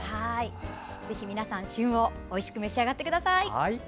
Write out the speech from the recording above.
皆さん旬をおいしく召し上がってください。